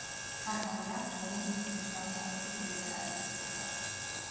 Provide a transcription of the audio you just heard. სათავე აქვს კოლუმბიის ცენტრალურ კორდილიერაში.